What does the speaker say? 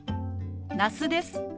那須です。